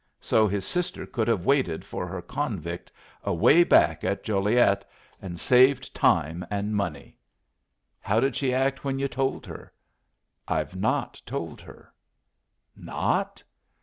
So his sister could have waited for her convict away back at Joliet, and saved time and money. How did she act when yu' told her?" "I've not told her." "Not?